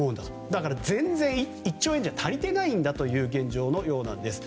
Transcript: だから１兆円じゃ足りていないというのが現状のようです。